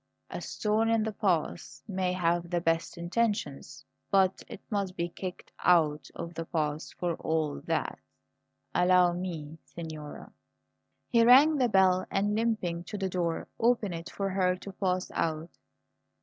A stone in the path may have the best intentions, but it must be kicked out of the path, for all that. Allow me, signora!" He rang the bell, and, limping to the door, opened it for her to pass out.